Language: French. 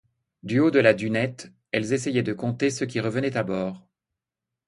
Du haut de la dunette, elles essayaient de compter ceux qui revenaient à bord.